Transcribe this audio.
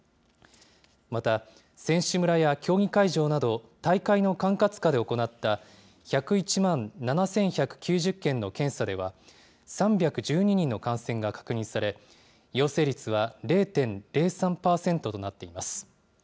また、選手村や競技会場など、大会の管轄下で行った１０１万７１９０件の検査では、３１２人の感染が確認され、陽性率は０．０３％となっています。